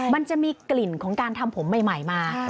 มันจะมีกลิ่นของการทำผมใหม่มา